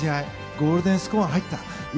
ゴールデンスコアに入った。